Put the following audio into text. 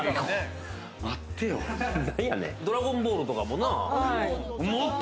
『ドラゴンボール』とかもな。